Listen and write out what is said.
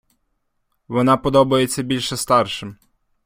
Вона подобається більше старшим.